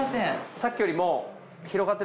さっきよりも。